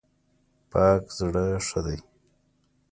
پاک زړه ښه دی.